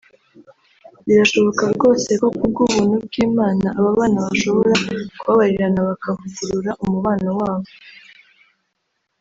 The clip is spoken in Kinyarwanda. birashoboka rwose ko kubw’ubuntu bw’Imana ababana bashobora kubabarirana bakavugurura umubano wabo